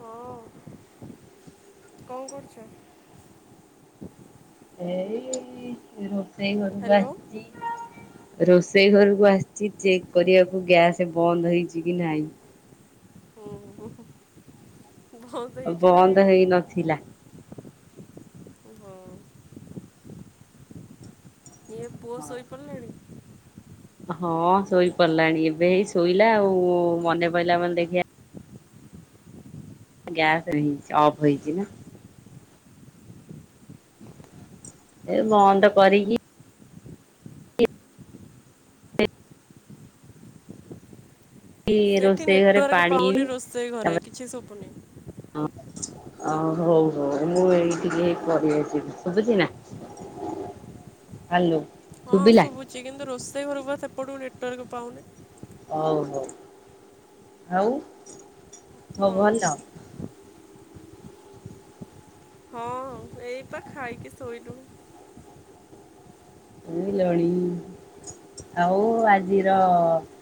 ହଁ, କଣ କରୁଛ? ଏଇ ରୋଷେଇ ଘରକୁ ହ୍ୟାଲୋ। ଆସିଛି। ରୋଷେଇ ଘରକୁ ଆସିଛି ଚେକ୍ କରିବାକୁ ଗ୍ୟାସ ବନ୍ଦ ହେଇଛି କି ନାହିଁ। ହୁଁ ହ। ଆଉ ବନ୍ଦ ହେଇ ନଥିଲା। ହଁ। ଇଏ ପୁଅ ସୋଇପଡି ଲାଣି। ହଁ ଶୋଇପଡ଼ିଲାଣି ଏବେ ଏଇ ଶୋଇଲା ଆଉ ମନେ ପଇଲା ମାନେ ଦେଖିଆ ଗ୍ୟାସରେ ହେଇଛି ଅଫ୍ ହେଇଛି ନା। ଏ ବନ୍ଦ କରିକି ସେଠି ରୋଷେଇ ଘରେ ନେଟୱାର୍କ ପାଣି ବି ପାଉନି ରୋଷେଇ ଘରେ କିଛି ଶୁବୁନି। ହ ହଉ ହଉ ମୁଁ ଏଇଠିକି ହେଇ ପଳେଇ ଆସିଲି ଶୁଭୁଛି ନା। ହାଲୋ। ହଁ ଶୁଭୁଛି କିନ୍ତୁ ରୋଷେଇ ଘରକୁ ବା ସେପଟକୁ ନେଟୱାର୍କ ପାଉନି। ହଉ ହଉ ଆଉ ସବୁ ହଁ। ଭଲ? ହଁ। ଏଇପା ଖାଇକି ସୋଇଲୁ। ଶୋଇଲାଣି ଆଉ ଆଜିର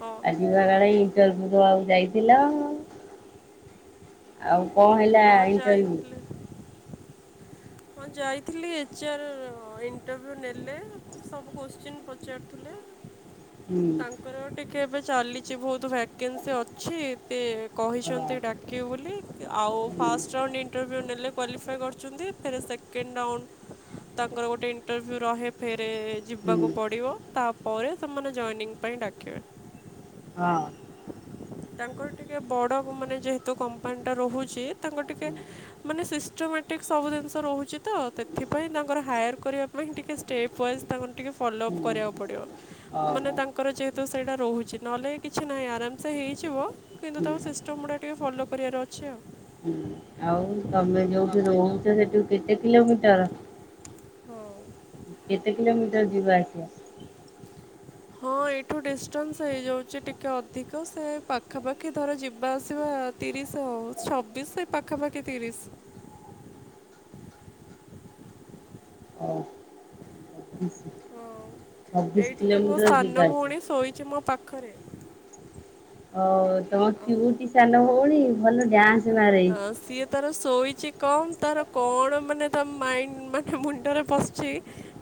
ହଁ। ସକାଳେ ଇଣ୍ଟରଭ୍ୟୁ ଦବାକୁ ଯାଇଥିଲ? ଆଉ କଣ ହେଲା ହଁ ଇଣ୍ଟରଭିୟୁ? ଯାଇଥିଲି ହଁ ଯାଇଥିଲି ଏଚ୍ ଆର୍ ଇଣ୍ଟରଭ୍ୟୁ ନେଲେ ସବୁ କୋଶ୍ଚିନ୍ ପଚାରୁଥିଲେ। ହୁଁ ତାଙ୍କର ଟିକେ ଏବେ ଚାଲିଛି ବହୁତ ଭ୍ୟାକେନ୍ସି ଅଛି ସିଏ ହଁ କହିଛନ୍ତି ଡାକିବେ ବୋଲି ଆଉ ହୁଁ ଫାଷ୍ଟ ରାଉଣ୍ଡ ଇଣ୍ଟରଭ୍ୟୁ ନେଲେ କ୍ୱାଲିଫା କରୁଛନ୍ତି। ଫେରେ ସେକେଣ୍ଡ ରାଉଣ୍ଡ ତାଙ୍କର ଗୋଟେ ଇଣ୍ଟରଭ୍ୟୁ ରହେ ଫେରେ ହୁଁ ଯିବାକୁ ପଡ଼ିବ ତାପରେ ସେମାନେ ଜଏନିଙ୍ଗ ପାଇଁ ଡାକିବେ। ହଁ। ତାଙ୍କର ଟିକେ ବଡ଼ ମାନେ ଯେହେତୁ କମ୍ପାନୀଟା ରହୁଛି ତାଙ୍କର ଟିକେ ମାନେ ସିଷ୍ଟମେଟିକ ସବୁ ଜିନିଷ ରହୁଛି ତ ସେଥିପାଇଁ ତାଙ୍କର ହାୟାର କରିବା ପାଇଁ ଟିକେ ଷ୍ଟେପ ୱାଇଜ୍ ତାଙ୍କୁ ଟିକେ ଫଲୋଅପ୍ ହୁଁ କରିବାକୁ ପଡ଼ିବ। ମାନେ ଓହୋ ତାଙ୍କର ଯେହେତୁ ସେଇଟା ରହୁଛି ନହେଲେ କିଛି ନାହିଁ ଆରାମସେ ହେଇ ଜିବ କିନ୍ତୁ ହୁଁ ତାଙ୍କ ସିଷ୍ଟମ୍ ଗୁଡ଼ା ଟିକେ ଫଲୋ କରିବାର ଅଛି ଆଉ। ହୁଁ ଆଉ ତମେ ଯୋଉଠି ତମେ ଯୋଉ ରହୁଛ ସେଠୁ କେତେ କିଲୋମିଟର? ହଁ। ଦି କିଲୋମିଟର ଯିବା ଆସିବା। ହଁ ଏଇଠୁ ଡିଷ୍ଟାନ୍ସ ହେଇଯାଉଛି ଟିକେ ଅଧିକ ସେ ପାଖାପାଖି ଧର ଯିବା ଆସିବା ତିରିଶ ହଉ ଛବିଶ ସେ ପାଖାପାଖି ତିରିଶ। ହ। ହଁ ଛବିଶ ଏଇଠି ତ ମୋ କିଲୋମିଟର ସାନ ଯିବା ଆସିବା। ଭଉଣୀ ଶୋଇଛି ମୋ ପାଖରେ। ଓ ତମ ଅ କିଉଟି ସାନ ଭଉଣୀ ଭଲ ଡ୍ୟାନ୍ସ ମାରେ। ସିଏ ତାର ଶୋଇଛି କମ୍ ତାର କଣ ମାନେ ତା ମାଇଣ୍ଡ ମାନେ ମୁଣ୍ଡରେ ପଶଛି।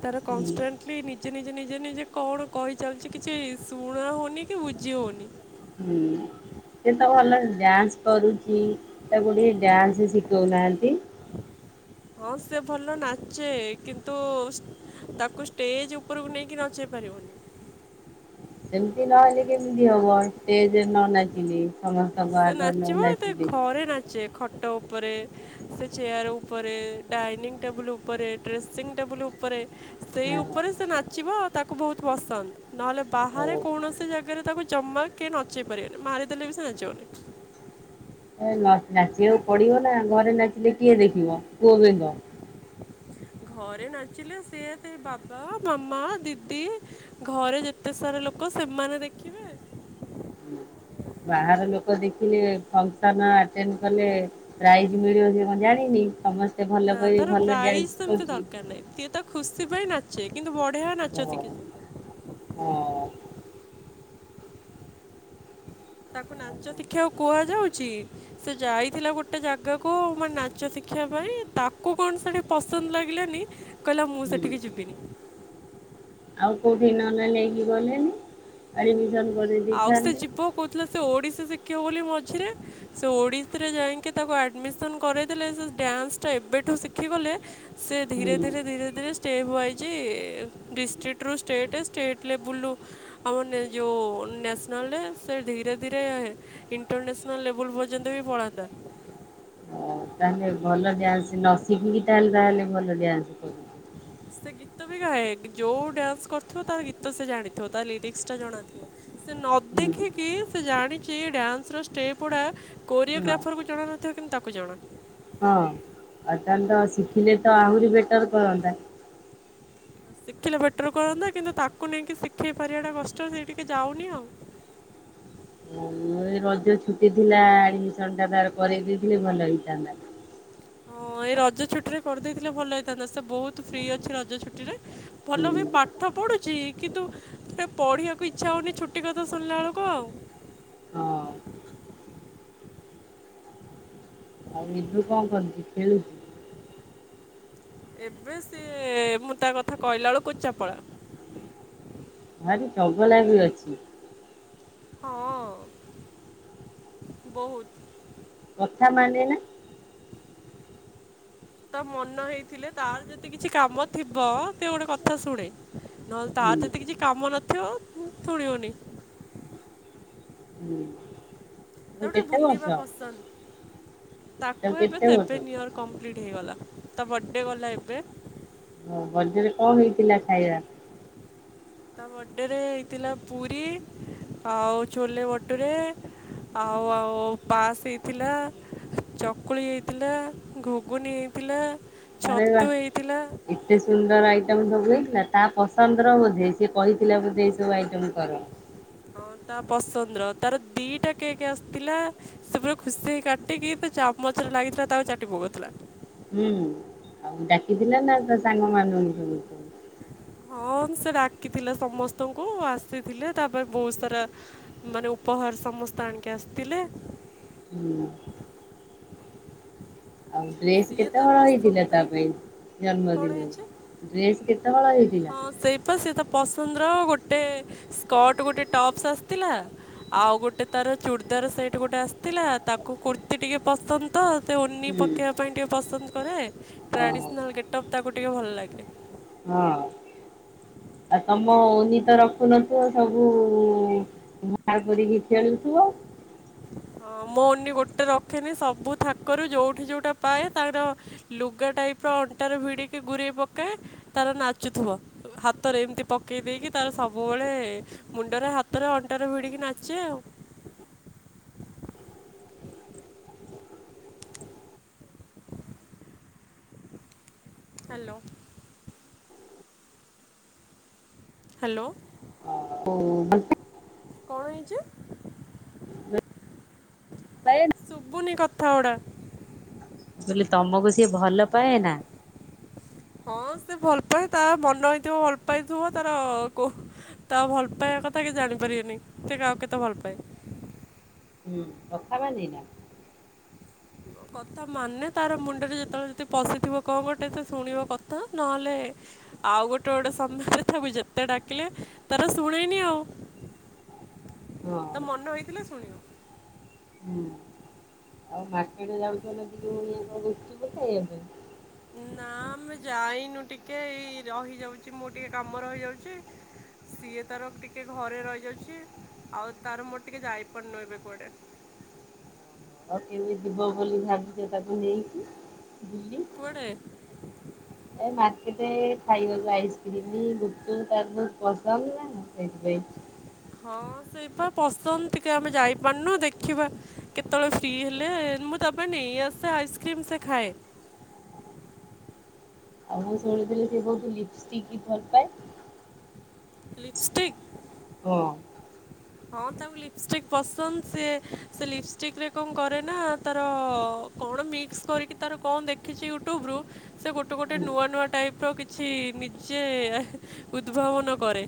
ତାର ହୁଁ କନଷ୍ଟାଣ୍ଟଲି ନିଜେ ନିଜେ ନିଜେ ନିଜେ କଣ କହି ଚାଲିଛି କିଛି ଶୁଣା ହଉନି। କି ବୁଝି ହଉନି। ହୁଁ। ସେ ତ ଭଲ ଡ୍ୟାନ୍ସ କରୁଛି ତାକୁ ଟିକେ ଡ୍ୟାନ୍ସ ଶିଖଉନାହାନ୍ତି। ହଁ ସେ ଭଲ ନାଚେ କିନ୍ତୁ ତାକୁ ଷ୍ଟେଜ ଉପରକୁ ନେଇକି ନଚେଇ ପାରିବନି। ସେମିତି ନହେଲେ କେମିତି ହବ ଷ୍ଟେଜରେ ନ ନାଚିଲେ ସମସ୍ତଙ୍କ ଆଗରେ ନ ନାଚିଲେ। ଯେ ଖଟ ଉପରେ ସେ ଚେୟାର୍ ଉପରେ ଡାଇନିଂ ଟେବୁଲ୍ ଉପରେ ଡ୍ରେସିଂ ଟେବୁଲ୍ ଉପ ପରେ ସେଇ ହଁ ଉପରେ ସେ ନାଚିବ ଆଉ ତାକୁ ବହୁତ ପସନ୍ଦ। ନହେଲେ ବାହାରେ କୌଣସି ଜାଗାରେ ତାକୁ ଜମା କିଏ ନଚେଇ ପାରିବେନି। ମାରିଦେଲେ ବି ସେ ନଚିବନି। ଅ ନ ନାଚିବାକୁ ପଡିବ ନା। ଘରେ ନାଚିଲେ କିଏ ଦେଖିବ? କୂଅ ବେଙ୍ଗ। ଘରେ ନାଚିଲେ ସିଏ ସେ ବାବା, ମାମା, ଦିଦି ଘରେ ଯେତେ ସାରା ଲୋକ ସେମାନେ ଦେଖିବେ। [inaudible] ବାହାର ଲୋକ ଦେଖିଲେ ଫଙ୍କସନ ଆଟେଣ୍ଡ କଲେ ପ୍ରାଇଜ ମିଳିବ ସେ କଣ ଜାଣିନି। ସମସ୍ତେ ଭଲ ନା କରି ତାର ଭଲ ପ୍ରାଇଜ ତ ଡ୍ୟାନ୍ସ ଏମିତି କରୁଛି ଦରକାର ନାଇଁ। ସିଏ ତ ଖୁସି ପାଇଁ ନାଚେ। କିନ୍ତୁ ବଢିଆ ନାଚ ହଁ ଶିଖିଚି ସିଏ। ହଁ। ତାକୁ ନାଚ ଶିଖିବାକୁ କୁହାଯାଉଛି। ସେ ଯାଇଥିଲା ଗୋଟେ ଜାଗାକୁ ମାନେ ନାଚ ଶିଖିବା ପାଇଁ। ତାକୁ କଣ ସେଠି ପସନ୍ଦ ଲାଗିଲାନି। କହିଲା ମୁଁ ହୁଁ ସେଠିକି ଯିବିନି। ଆଉ କୋଉଠିକି ନହେଲେ ନେଇକି ଗଲେନି। ଆଡ଼ମିସନ୍ କରେଇ ଆଉ ସେ ଦେଇଥାନ୍ତେ ଯିବ, କହୁଥିଲା ସେ ଓଡିଶୀ ଶିଖିବ ବୋଲି ମଝିରେ। ସେ ଓଡ଼ିଶୀ ରେ ଯାଇଁକି ତାକୁ ଆଡ଼ମିସନ କରେଇଦେଲେ ସେ ଡ୍ୟାନ୍ସଟା ଏବେଠୁ ଶିଖିଗଲେ ସେ ଧୀରେ ହୁଁ -ଧୀରେ- ଧୀରେ -ଧୀରେ ଶି ଷ୍ଟେପ୍ ୱାଇଜ୍ ଡିଷ୍ଟ୍ରିକଟରୁ ଷ୍ଟେଟ୍, ଷ୍ଟେଟ୍ ଲେବୁଲରୁ ଆମର ନେ ଯୋଉ ନ୍ୟସନାଲରେ ସେ ଧୀରେ ଧୀରେ ଇଣ୍ଟରନ୍ୟାସନାଲ ଲେବୁଲ ପର୍ଯ୍ୟନ୍ତ ବି ପଳାନ୍ତା। ହଉ ତାହେଲେ ଭଲ ଡ୍ୟାନ୍ସ। ନ ଶିଖିକି ବି ତାହେଲେ ତାହେଲେ ଭଲ ଡ୍ୟାନ୍ସ କରୁଛି। ସେ ଗୀତ ଗୀତ ବି ଗାଏ। ଯୋଉ ଡ୍ୟାନ୍ସ କରିଥିବ ତାର ଗୀତ ସେ ଜାଣିଥିବ। ତା ଲିରିକସଟା ଜଣାଥିବ। ସେ ନ ହୁଁ ଦେଖିକି ସେ ଜାଣିଛି ଡ୍ୟାନ୍ସ ର ଷ୍ଟେପ ଗୁଡା ହଁ କୋରିଓଗ୍ରାଫରକୁ ଜଣା ନଥିବ। କିନ୍ତୁ ତାକୁ ଜଣା। ହଁ ଅ ତାହାଲେ ତ ଶିଖିଲେ ତ ଆହୁରି ବେଟର କରନ୍ତା। ଶିଖିଲେ ବେଟର କରନ୍ତା। କିନ୍ତୁ ତାକୁ ନେଇକି ଶିଖେଇ ପାରିବା ଟା କଷ୍ଟ। ସେ ଟିକେ ଯାଉନି ଆଉ। ହୁଁ। ରଜ ଛୁଟି ଥିଲା ଆଡମିସନ ଟା ତାର କରେଇ ଦେଇଥିଲେ ଭଲ ହେଇଥାନ୍ତା। ହଁ ଏ ରଜ ଛୁଟିରେ କରିଦେଇଥିଲେ ଭଲ ହେଇଥାନ୍ତା। ସେ ବହୁତ ଫ୍ରୀ ଅଛି ରଜ ଛୁଟିରେ। ହୁଁ ଭଲ ବି ପାଠ ପାଠ ପଢ଼ୁଛି। କିନ୍ତୁ ସେ ପଢ଼ିବାକୁ ଇଚ୍ଛା ହଉନି ଛୁଟି କଥା ଶୁଣିଲା ବେଳକୁ ଆଉ। ହଁ ଆଉ ଏବେ କଣ କରୁଚି? ଖେଳୁଛି? ଏବେ ସିଏ ମୁଁ ତା କଥା କହିଲା ବେଳକୁ କହୁଚି ଯା ପଳା। ଭାରି ଜଗଲା ବି ଅଛି। ହଁ ବହୁତ। କଥା ମାନେ ନା? ତା ମନ ହେଇଥିଲେ ତାର ଯେତେ କିଛି କାମ ଥିବ ସେ ଗୋଟେ କଥା ଶୁଣେ। ନହେଲେ ହୁଁ ତାର ଯଦି କିଛି କାମ ନଥିବ ଥୁଣିବନି। ହୁଁ। ତାକୁ ଟିକେ କେତେ ବର୍ଷ ବୁଲିବା ପସନ୍ଦ। ତାକୁ ଏବେ କେତେ ବର୍ଷ ସେଭେନ ଇୟର୍। କମ୍ପ୍ଲିଟ୍ ହେଇଗଲା। ତା ବର୍ଥଡ଼େ ଗଲା ଏବେ। ଓ ଭୋଜିରେ କଣ ହେଇଥିଲା ଖାଇବା? ତା ବର୍ଡେରେ ହେଇଥିଲା ପୁରୀ ଆଉ ଛୋଲେ ବଟୁରେ ଆଉ ଆଉ ପାସ ହେଇଥିଲା ଚକୁଳି ହେଇଥିଲା ଘୁଗୁନି ହେଇଥିଲା ଆରେ ବାଃ। ଛତୁ ହେଇଥିଲା ଏତେ ସୁନ୍ଦର ଆଇଟମ୍ ସବୁ ହେଇଥିଲା। ତା ପସନ୍ଦର ବୋଧେ, ସେ କହିଥିଲା ବୋଧେ, ଏଇ ସବୁ ଆଇଟମ୍ କର। ହଁ, ତା ପସନ୍ଦର। ତାର ଦି ଟା କେକ୍ ଆସିଥିଲା। ସେ ପୁର ଖୁସି ହେଇ କାଟିକି, ତା ଚାମଚରେ ଲାଗିଥିଲା, ତାକୁ ଚାଟି ପକଉଥିଲା। ହୁଁ, ଆଉ ଡାକିଥିଲ ନା ତା ସାଙ୍ଗମାନଙ୍କୁ? ହଁ, ସେ ଡାକିଥିଲେ ସମସ୍ତଙ୍କୁ ଆସିଥିଲେ, ତା ପରେ ବହୁତ ସାରା ମାନେ ଉପହାର ସମସ୍ତେ ଆଣିକି ଆସିଥିଲେ। ହୁଁ। ଆଉ ଡ୍ରେସ୍ ସିଏ କେତେ ତା ହଳ ହେଇଥିଲା, ତା ପସନ୍ଦର ପାଇଁ କ'ଣ ଜନ୍ମଦିନରେ ହେଇଛି ଡ୍ରେସ୍ କେତେ ହଳ ହେଇଥିଲା? ତ ସେ ତା ପସନ୍ଦର ଗୋଟେ ସ୍କଟ୍ ଗୋଟେ ଟପ୍ସ୍ ଆସିଥିଲା। ଆଉ ଗୋଟେ ତାର ଚୁଡ଼ଦାର ସେଟ୍ ଗୋଟେ ଆସିଥିଲା। ତାକୁ କୁର୍ତ୍ତିୀ ଟିକେ ପସନ୍ଦ ତ ସେ ଓନି ହୁଁ ପକେଇବା ପାଇଁ ଟିକେ ପସନ୍ଦ କରେ। ଓହୋ ଟ୍ରାଡିସ୍ନାଲ ଗେଟଅପ୍ ତାକୁ ଟିକେ ଭଲ ଲାଗେ। ହଁ। ଆଉ ତମ ଓନି ତ ରଖୁନଥିବ, ସବୁ ବାହାର କରିକି ଖେଳୁଥିବ। ହଁ, ମୋ ଓନି ଗୋଟେ ରଖେନି, ସବୁ ଥାକରୁ ଯୋଉଠି ଯୋଉଠା ପାଏ ତାର ଲୁଗା ଟାଇପର ଅଣ୍ଟାରେ ଭିଡିକି ଗୁରେଇ ପକାଏ, ତାର ନାଚୁଥିବ। ହାତରେ ଏମିତି ପକେଇ ଦେଇକି ତାର ସବୁବେଳେ ମୁଣ୍ଡରେ, ହାତରେ, ଅଣ୍ଟାରେ ଭିଡିକି ନାଚେ ଆଉ। [inaudible] ହ୍ୟାଲୋ। ହ୍ୟାଲୋ। [inaudible] କଣ ହେଇଚି? [unintelligible] ଶୁଭୁନି କଥା ଗୁଡ଼ା। ମୁଁ କହିଲି, ତମକୁ ସିଏ ଭଲ ପାଏ ନା। ହଁ ସେ ଭଲ ପାଏ, ତାର ମନ ହେଇଥିବ ଭଲ ପାଇଥିବ ତାର କୋ ତା ଭଲ ପାଇବା କଥା କେହି ଜାଣି ପାରିବେନି। ସେ କାହାକୁ କେତେ ଭଲ ପାଏ? ହୁଁ, କଥା ମାନେନା। କଥା ମାନେ ତାର ମୁଣ୍ଡରେ ଯେତେବେଳେ ଯଦି ପଶିଥିବ କଣ ଗୋଟେ, ସେ ଶୁଣିବ କଥା ନ ହେଲେ ଆଉ ଗୋଟେ ଗୋଟେ ସନ୍ଧ୍ୟାରେ, ତାକୁ ଯେତେ ଡାକିଲେ ତାର ଶୁଣେଇନି ଆଉ। ହଁ ତା ମନ ହେଇଥିଲେ ଶୁଣିବ। ହୁଁ। [unintelligible] ନା ଆମେ ଯାଇନୁ ଟିକେ ଏଇ ରହିଯାଉଛି। ମୁଁ ଟିକେ କାମ ରହିଯାଉଛି। ସିଏ ତାର ଟିକେ ଘରେ ରହିଯାଉଛି। ଆଉ ତାର ମୋର ଟିକେ ଯାଇପାରୁନୁ ଏବେ କୁଆଡେ। ଆଉ କେମିତି ଯିବ ବୋଲି ଭାବିଛ, ତାକୁ ନେଇକି ବୁଲି। କୁଆଡେ? ଏ ମାର୍କେଟରେ ଖାଇବାକୁ ଆଇସ୍କ୍ରିମ ଗୁପଚୁପ୍, ତାର ସବୁ ପସନ୍ଦ ନା ସେଇଥିପାଇଁ। ହଁ, ସେଇପା ପସନ୍ଦ ଟିକେ ଆମେ ଯାଇପାରୁନୁ ଦେଖିବା କେତେବେଳେ ଫ୍ରି ହେଲେ ମୁଁ ତା ପାଇଁ ନେଇ ଆସେ ଆଇସ୍କ୍ରିମ, ସେ ଖାଏ। ଆଉ ମୁଁ ଶୁଣିଥିଲି, ସିଏ କୋଉଠି ଲିପଷ୍ଟିକ କି ଭଲ ପାଏ। ଲିପ୍ ଷ୍ଟିକି। ହଁ। ହଁ ତାଙ୍କୁ ଲିପ୍ ଷ୍ଟିକ୍ ପସନ୍ଦ ସିଏ ସେ ଲିପ୍ ଷ୍ଟିକି ରେ କ'ଣ କରେ ନା ତାର। କ'ଣ ମିକ୍ସ କରିକି ତାର କ'ଣ ଦେଖିଛି ୟୁଟ୍ୟୁବ୍ ରୁ। ସେ ଗୋଟେ, ଗୋଟେ ହୁଁ ନୂଆ, ନୂଆ ଟାଇପ୍ ର କିଛି ନିଜେ ଉଦ୍ଭାବନ କରେ।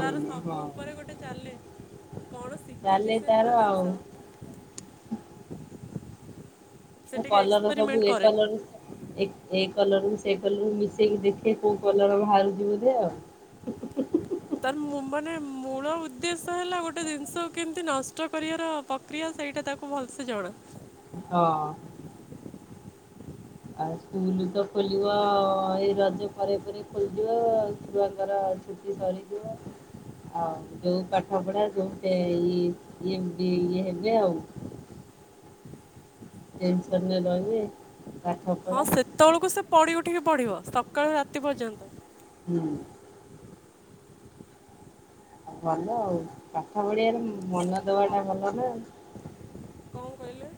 ତାର ସବୁ ହଁ ଉପରେ ଗୋଟେ ଚାଲେ କ'ଣ। ଶିଖିଛି ଚାଲେ ସେ ତାର ନୂଆ ଆଉ। ଜିନିଷ। ମୁଁ ସେ ଟିକେ କଲର ସବୁ ଏ ଏକ୍ସପେରିମେଣ୍ଟ କରେ କଲର। ଏ ଏ କଲର ରୁ ସେ କଲରକୁ ମିଶେଇକି ଦେଖେ କୋଉ କଲର ବାହରୁଛି ବୋଧେ ଆଉ। [unintelligible] ତାର ମୁଁ ମାନେ ମୂଳ ଉଦ୍ଦେଶ୍ୟ ହେଲା ଗୋଟେ ଜିନିଷ କେମିତି ନଷ୍ଟ କରିବାର। ପକ୍ରିୟା ସେଇଟା ତାକୁ ଭଲସେ ଜଣା। ହଁ। ଆଉ ସ୍କୁଲ ତ ଖୋଲିବ ଏଇ ରଜ ପରେ, ପରେ ଖୋଲିଯିବ ଛୁଆଙ୍କର। ଛୁଟି ସରି ଯିବ। ଆଉ ଯୋଉ ପାଠ ପଢା ଯୋଉଟେ ଇ ଇଏମିତି ଇଏ ହେବେ ଆଉ। ଟେନସନ ରେ ରହିବେ ପାଠ ପଢ଼ା। ସେତେବଳୁକୁ ସେ ପଡି ଉଠିକି ପଢ଼ିବ ସକାଳୁ, ରାତି ପର୍ଯ୍ୟନ୍ତ। ହୁଁ। ଭଲ ଆଉ ପାଠ ପଢ଼ିଆ ରେ ମନ ଦବାଟା ଭଲ ନାଁ। କ'ଣ କହିଲେ।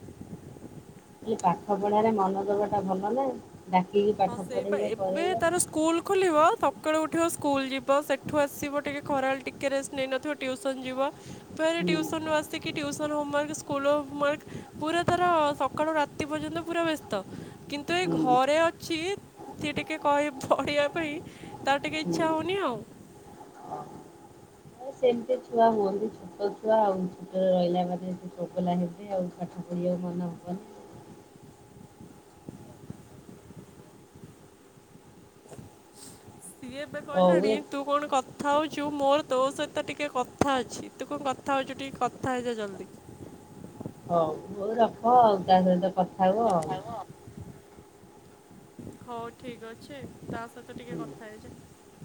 କହିଲି ପାଠ ପଢାରେ ମନ ଦବ ଟା ଭଲ ନା ଡାକିକି ହଁ ପାଠ ସେଇପା ପଢେଇବେ ଏବେ କରେଇବା। ତାର ସ୍କୁଲ ଖୋଲିବ ସକାଳୁ ଉଠିବ ସ୍କୁଲ ଯିବ ସେଠୁ ଆସିବ ଟିକେ ଖରାବେଳେ ଟିକେ ରେଷ୍ଟେ ନେଇନଥିବ। ଟିଉସନ ଯିବ ଫେରେ ହୁଁ ଟିଉସନରୁ ଆସି। ସେ କି ଟିଉସନ ହୋମୱାର୍କ ସ୍କୁଲ ହୋମୱାର୍କ ପୁରା ତାର ସକାଳୁ, ରାତି ପର୍ଯ୍ୟନ୍ତ ପୁରା ବ୍ୟସ୍ତ କିନ୍ତୁ। ତ ଏ ଘରେ ହୁଁ ଅଛି ସିଏ ଟିକେ କହି ପଢ଼ିବା ପାଇଁ ତାର ଟିକେ ଇଚ୍ଛା ହଉନି ଆଉ। ମୁଁ ସେମିତି ଛୁଆ ହୁଅନ୍ତି। ଛୋଟ ଛୁଆ ଆଉ ଶୀତରେ ରହିଲା ମାନେ ସେ ଚଗଲା ହେବେ ଆଉ ପାଠ ପଢିବାକୁ ମନ ହବନି। ସିଏ ଏବେ ହଉ କହିଲାଣି ଏ ତୁ। ତୁ କ'ଣ କଥା ହଉଛୁ ମୋର ତୋ ସହିତ ଟିକେ କଥା ଅଛି ତୁ କ'ଣ କଥା ହଉଛୁ ଟିକେ କଥା ହେଇଜା ଜଲ୍ଦି। ହଉ, ହଉ ରଖ ଆଉ ତା ସହିତ କଥା ହୁଅ ଆଉ। ହଉ ଠିକି ଅଛି ତା ସହିତ ଟିକେ ହୁଁ କଥା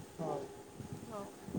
ହଉ। ହଉ।